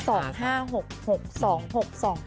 โอ้โห